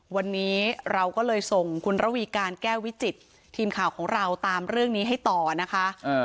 วันนี้เราก็เลยส่งคุณระวีการแก้ววิจิตทีมข่าวของเราตามเรื่องนี้ให้ต่อนะคะ